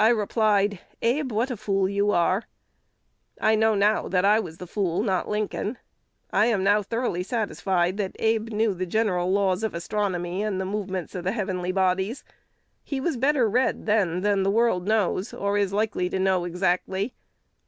I replied, 'Abe, what a fool you are!' I know now that I was the fool, not Lincoln. I am now thoroughly satisfied that Abe knew the general laws of astronomy and the movements of the heavenly bodies. He was better read then than the world knows, or is likely to know exactly.